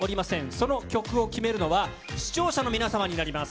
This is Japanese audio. その曲を決めるのは、視聴者の皆様になります。